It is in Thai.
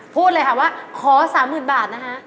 พูดเลยค่ะว่าขอสามหมื่นบาทนะฮะ